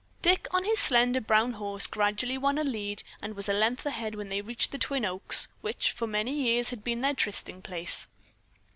Dick, on his slender brown horse, gradually won a lead and was a length ahead when they reached the Twin Oaks, which for many years had been their trysting place.